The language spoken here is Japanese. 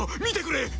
見てくれ！